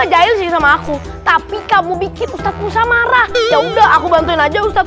jahil sama aku tapi kamu bikin ustadz musa marah ya udah aku bantuin aja ustadz